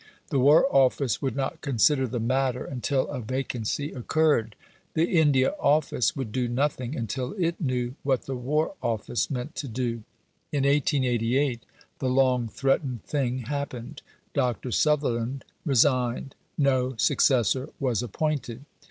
The War Office would not consider the matter until a vacancy occurred; the India Office would do nothing until it knew what the War Office meant to do. In 1888 the long threatened thing happened. Dr. Sutherland resigned. No successor was appointed.